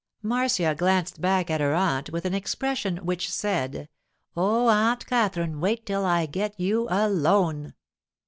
Marcia glanced back at her aunt with an expression which said, 'Oh, Aunt Katherine, wait till I get you alone!